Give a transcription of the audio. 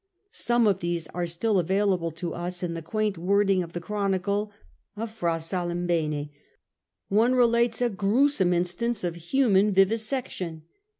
Some of these are still available to us in the quaint wording of the chronicle of Fra Salimbene. One relates a gruesome instance of human vivisection.